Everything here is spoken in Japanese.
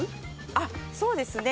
あっそうですね。